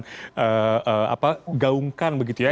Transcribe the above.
jangan begitu gaungkan begitu ya